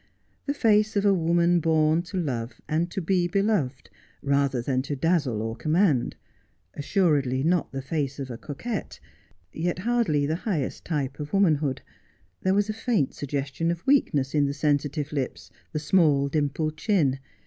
The face of a woman born to love, and to be beloved, rather than to dazzle or command ; assuredly not the face of a coquette, yet hardly the highest type of womanhood. There was a faint suggestion of weakness in the sensitive lips, the small dimpled chin.